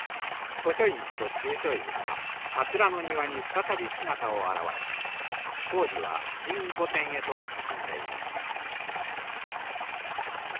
古書院と中書院が桂の庭に再び姿を現し工事は新御殿へと進んでいます。